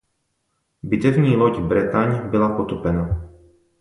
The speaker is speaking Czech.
Bitevní loď "Bretagne" byla potopena.